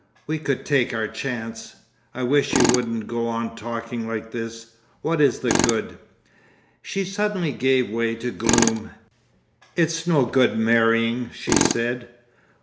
"We could take our chance!" "I wish you wouldn't go on talking like this. What is the good?" She suddenly gave way to gloom. "It's no good marrying" she said.